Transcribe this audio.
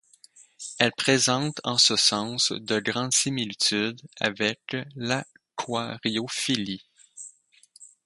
Elle présente en ce sens de grandes similitudes avec l'aquariophilie.